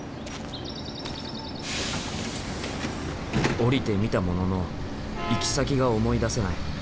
降りてみたものの行き先が思い出せない。